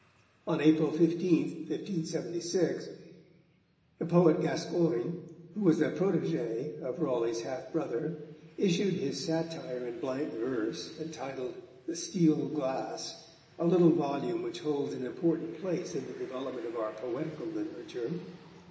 On April 15, 1576, the poet Gascoigne, who was a protégé, of Raleigh's half brother, issued his satire in blank verse, entitled The Steel Glass, a little volume which holds an important place in the development of our poetical literature.